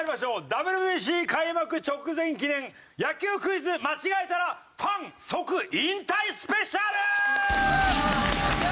ＷＢＣ開幕直前記念野球クイズ間違えたらファン即引退スペシャル！！